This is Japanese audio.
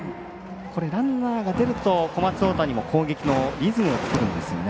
ランナーが出ると小松大谷も攻撃のリズムを作るんですよね。